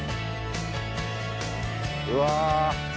うわ。